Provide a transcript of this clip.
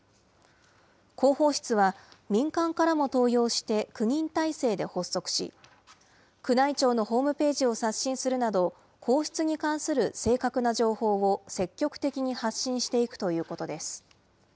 広報室は、民間からも登用して９人体制で発足し、宮内庁のホームページを刷新するなど、皇室に関する正確な情報を積極的に発信していくということです。